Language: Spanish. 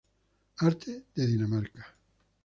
Arte de Dinamarca